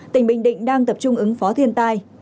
tỉnh bình định đang tập trung ứng phó thiên tai